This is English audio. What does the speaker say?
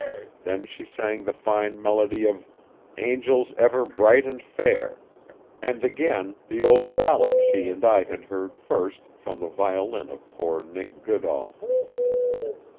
Then she sang the fine melody of 'Angels ever Bright and Fair', and again the old ballad she and I had heard first from the violin of poor Nick Goodall.